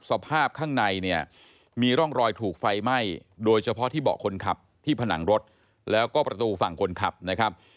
สภาพข้างในเนี่ยมีร่องรอยถูกไฟไหม้โดยเฉพาะที่เบาะคนขับที่ผนังรถแล้วก็ประตูฝั่งคนขับนะครับ